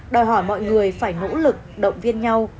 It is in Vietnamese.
đòi hỏi mọi người phải nỗ lực động viên nhau